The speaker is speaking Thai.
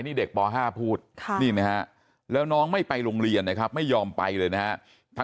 นี่เด็กป๕พูดนี่ไหมฮะแล้วน้องไม่ไปโรงเรียนนะครับไม่ยอมไปเลยนะฮะ